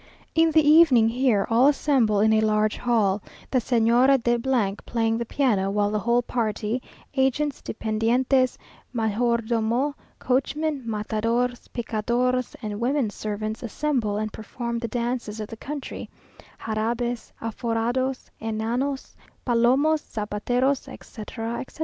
In the evening here, all assemble in a large hall; the Señora de playing the piano; while the whole party, agents, dependientes, major domo, coachmen, matadors, picadors, and women servants, assemble and perform the dances of the country; jarabes, aforrados, enanos, palomos, zapateros, etc., etc.